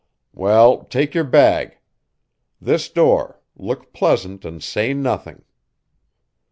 "Well, take your bag. This door look pleasant and say nothing."